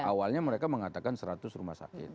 awalnya mereka mengatakan seratus rumah sakit